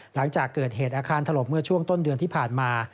หลังจากเกิดเหตุอาคารถล่มเมื่อช่วงต้นเดือนที่ผ่านมา